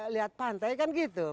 lihat pantai kan gitu